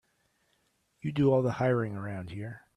You do all the hiring around here.